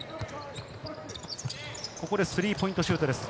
ここでスリーポイントシュートです。